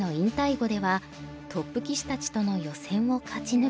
碁ではトップ棋士たちとの予選を勝ち抜き